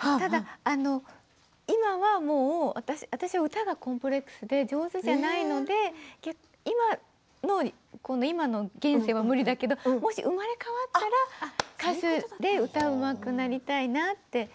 ただ今も私は歌がコンプレックスで上手じゃないので今の現世は無理だけどもし生まれ変わったら歌手で歌がうまくなりたいなって。